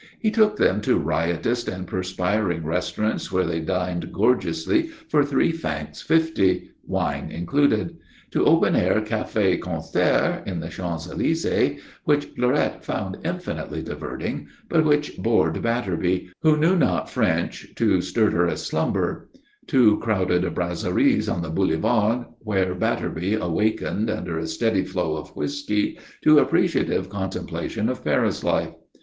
He took them to riotous and perspiring restaurants where they dined gorgeously for three francs fifty, wine included; to open air cafés concerts in the Champs Elysées, which Fleurette found infinitely diverting, but which bored Batterby, who knew not French, to stertorous slumber; to crowded brasseries on the Boulevard, where Batterby awakened, under a steady flow of whisky, to appreciative contemplation of Paris life.